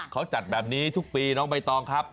เขาจัดแบบนี้ทุกปีน้องใบตองครับ